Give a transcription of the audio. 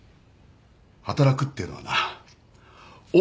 働くっていうのはなおお。